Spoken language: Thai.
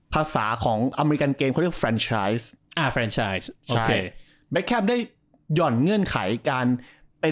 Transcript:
ภาษาของอเมริกันเกมเขาเรียกฟรานชไชส์